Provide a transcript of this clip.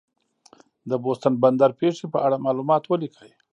د بوستون بندر پېښې په اړه معلومات ولیکئ.